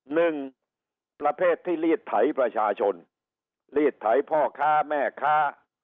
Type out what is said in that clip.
หนึ่งประเภทที่รีดไถประชาชนรีดไถพ่อค้าแม่ค้า